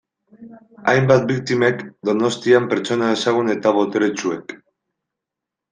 Hainbat biktimek Donostian pertsona ezagun eta boteretsuek.